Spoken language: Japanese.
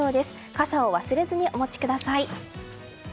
傘を忘れずにお持ちください。